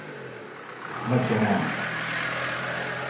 مہ چوم اؘ۔